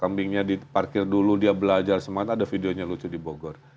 kambingnya diparkir dulu dia belajar semangat ada videonya lucu di bogor